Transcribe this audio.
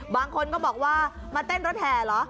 บางคนก็บอกว่ามาเต้นรถแห่เหรอ